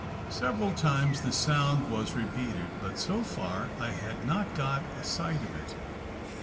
Several times the sound was repeated but so far I had not got a sight of it.